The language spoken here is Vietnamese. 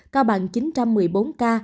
cao bằng chín một mươi bốn ca